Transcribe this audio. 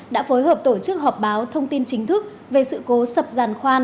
đã phối hợp tổ chức họp báo thông tin chính thức về sự cố sập giàn khoan